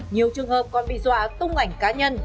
nhiều trường hợp còn bị dọa tung ảnh cá nhân